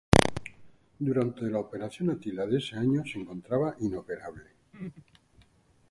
Durante la Operación Atila de ese año se encontraba inoperable.